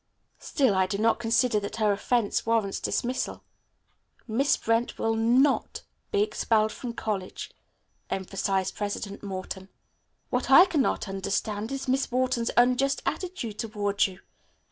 Still I do not consider that her offense warrants dismissal." "Miss Brent will not be expelled from college," emphasized President Morton. "What I cannot understand is Miss Wharton's unjust attitude toward you.